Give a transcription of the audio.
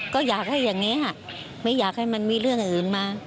ก็อยากให้อย่างนี้ค่ะไม่อยากให้มันมีเรื่องอื่นมา